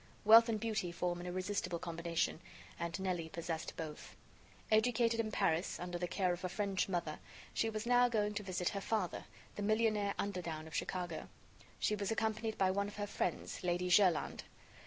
Wealth and beauty form an irresistible combination, and Nelly possessed both. Educated in Paris under the care of a French mother, she was now going to visit her father, the millionaire Underdown of Chicago. She was accompanied by one of her friends, Lady Jerland.